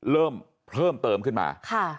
เริ่มเพิ่มเติมขึ้นมา